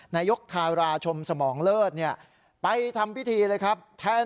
นายกธาราชมสมองเลิศไปทำพิธีเลยครับ